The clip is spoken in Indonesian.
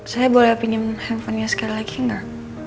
saya boleh pinjem handphonenya sekali lagi gak